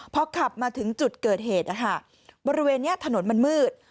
พอขับมาถึงจุดเกิดเหตุบริเวณนี้ถนนมันมืด